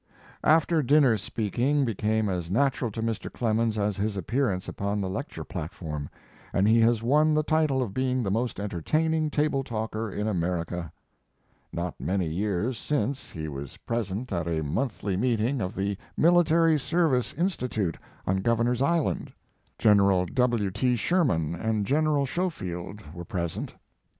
After dinner speaking became as natu ral to Mr. Clemens, as his appearance upon the lecture platform, and he has won the title of being the most entertaining table talker in America. Not many years since he was present at a monthly His Life and Work. meeting of the Military Service Institute, on Governor s Island. General W. T. Sherman and General Schofield were present.